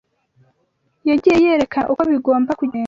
yagiye yerekana uko bigomba kugenda